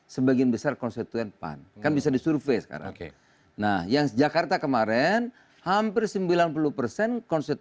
semua orang mau jadi cawapresnya pak jokowi